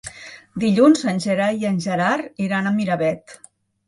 Dilluns en Gerai i en Gerard iran a Miravet.